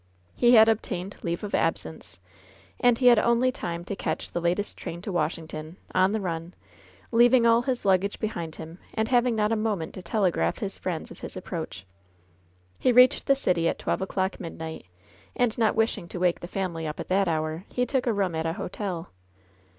He had obtained leave of absence, and he had only time to catch the latest 68 LOVE'S BITTEREST CUP train to Washington, ^^on the run," leaving all his lug gage behind him and having not a moment to telegraph his friends of his approach. He reached the city at twelve o'clock midnight, and not wishing to wake the family up at that hour, he took a room at a hotel.